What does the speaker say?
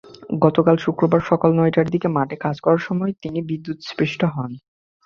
গতকাল শুক্রবার সকাল নয়টার দিকে মাঠে কাজ করার সময় তিনি বিদ্যুৎস্পৃষ্ট হন।